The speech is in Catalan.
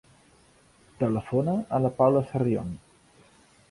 Telefona a la Paula Sarrion.